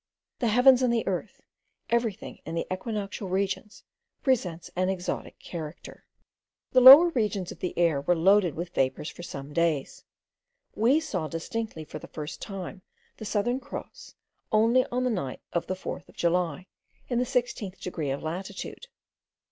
The heavens and the earth, everything in the equinoctial regions, presents an exotic character. The lower regions of the air were loaded with vapours for some days. We saw distinctly for the first time the Southern Cross only on the night of the 4th of July, in the sixteenth degree of latitude.